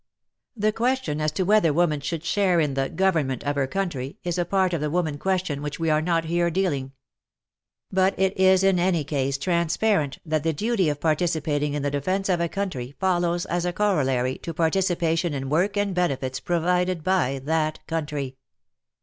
The question as to whether woman should share in the government of her country is a part of the woman question with which we are not here dealing. But it is in any case transparent that the duty of participate ing in the defence of a cotmtry follows as a corollary to participation in work and benefits provided by that country.